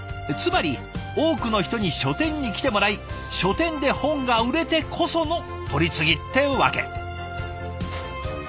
つまり多くの人に書店に来てもらい書店で本が売れてこその取り次ぎってわけ。